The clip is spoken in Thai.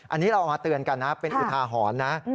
อันนี้เราเอามาเตือนกันนะเป็นอุทาหรณ์นะ